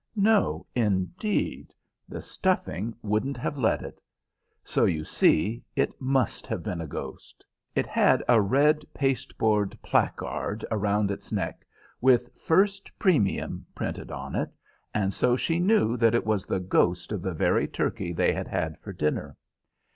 No, indeed! The stuffing wouldn't have let it. So you see it must have been a ghost." It had a red pasteboard placard round its neck, with FIRST PREMIUM printed on it, and so she knew that it was the ghost of the very turkey they had had for dinner.